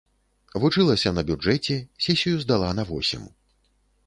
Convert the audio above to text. Вучылася на бюджэце, сесію здала на восем.